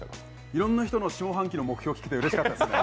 いろんな人の下半期の目標を聞けてうれしかったですね。